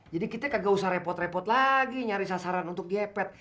jadi kita nggak usah repot repot lagi nyari sasaran untuk diepet